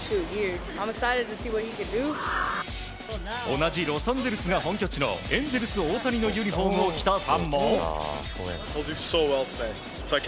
同じロサンゼルスが本拠地のエンゼルス、大谷のユニフォームを着たファンも。